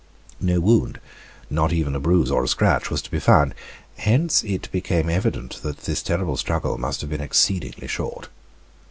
No other wound, not even a bruise or a scratch, was to be found. Hence, it became evident that this terrible struggle must have been exceedingly short.